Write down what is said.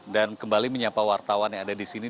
dan kembali menyapa wartawan yang ada di sini